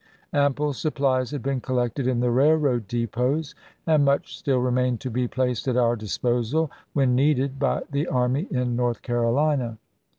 Ample supplies had been collected in the railroad depots, and much still remained to be placed at our disposal when needed by the army in North Carolina.